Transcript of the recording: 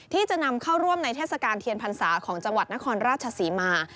ที่จะนำเข้าร่วมในเทศกาลเทียนพรรษาของจังหวัดนครราชศรีมา